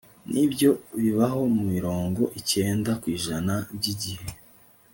nibyo bibaho mirongo icyenda ku ijana byigihe